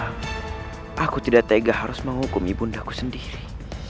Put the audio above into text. aku tidak tega harus menghukum ibu undaku sendiri